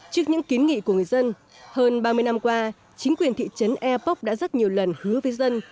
trước những kiến nghị của người dân hơn ba mươi năm qua chính quyền thị trấn eapok đã rất nhiều lần hứa với dân